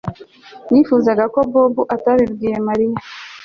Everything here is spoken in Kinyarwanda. Nifuzaga ko Bobo atabibwiye Mariya